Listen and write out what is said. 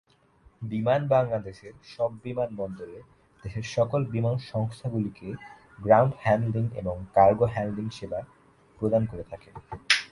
বিমান বাংলাদেশের সব বিমানবন্দরে দেশের সকল বিমান সংস্থাগুলিকে গ্রাউন্ড হ্যান্ডলিং এবং কার্গো হ্যান্ডলিং সেবা প্রদান করে থাকে।